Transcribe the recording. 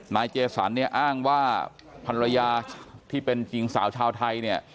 นายเจสันเนี่ยอ้างว่าภรรยาที่เป็นจริงสาวชาวไทยเนี่ย